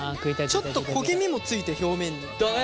ちょっと焦げ目も付いて表面に。だね。